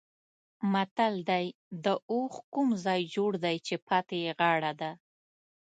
متل دی: د اوښ کوم ځای جوړ دی چې پاتې یې غاړه ده.